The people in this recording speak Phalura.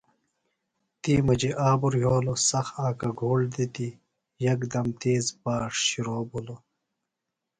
تی مجیۡ آبرُوۡ یھولوۡ سخت آکہ گُھوڑ دِتیۡ یکدم تیز باݜ شرو بِھلوۡ۔